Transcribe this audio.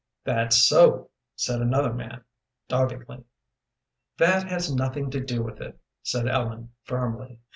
"That's so," said another man, doggedly. "That has nothing to do with it," said Ellen, firmly.